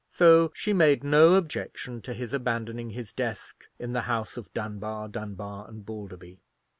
So she made no objection to his abandoning his desk in the house of Dunbar, Dunbar, and Balderby.